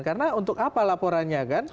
karena untuk apa laporannya kan